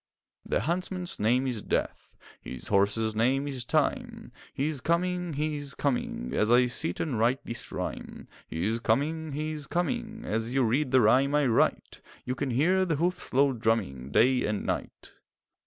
The huntsman's name is Death, His horse's name is Time; He is coming, he is coming As I sit and write this rhyme; He is coming, he is coming, As you read the rhyme I write; You can hear the hoofs' low drumming Day and night.